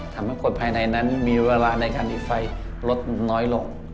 ทำให้คนภายในนั้นมีเวลาในการที่ไฟลดน้อยลง